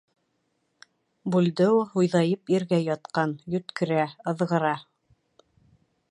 Бульдео һуйҙайып ергә ятҡан, йүткерә, ыҙғыра.